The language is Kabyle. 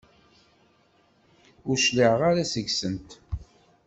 Ur cliɛeɣ ara seg-sent.